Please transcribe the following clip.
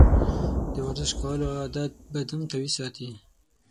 د ورزش کولو عادت بدن قوي ساتي.